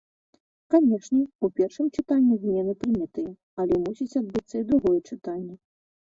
Канешне, у першым чытанні змены прынятыя, але мусіць адбыцца і другое чытанне.